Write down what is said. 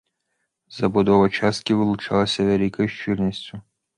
Забудова часткі вылучалася вялікай шчыльнасцю.